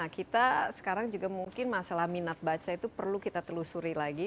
kita sekarang juga mungkin masalah minat baca itu perlu kita telusuri lagi